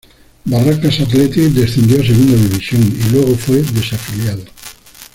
Barracas Athletic descendió a Segunda División y luego fue desafiliado.